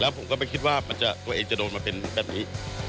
ผมก็ไม่คิดว่าตัวเองจะโดนมาเป็นแบบนี้